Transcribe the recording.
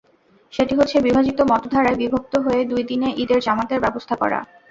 সেটি হচ্ছে বিভাজিত মতধারায় বিভক্ত হয়ে দুই দিনে ঈদের জামাতের ব্যবস্থা করা।